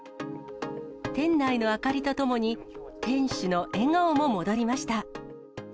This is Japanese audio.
店内の明かりとともに、店主の笑顔も戻りました。